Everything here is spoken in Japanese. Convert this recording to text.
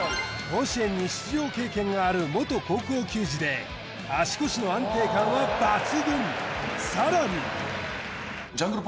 甲子園に出場経験がある元高校球児で足腰の安定感は抜群さらにジャングル